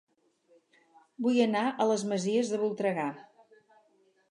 Vull anar a Les Masies de Voltregà